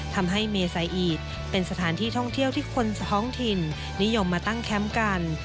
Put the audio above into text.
ทำให้เมไซอีทเป็นสถานที่ท่องเที่ยวที่คนท้องถิ่นนิยมมาตั้งแคมป์กัน